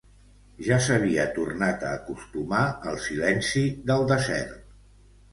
Ja s'havia tornat a acostumar al silenci del desert.